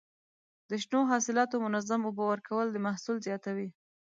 د شنو حاصلاتو منظم اوبه ورکول د محصول زیاتوي.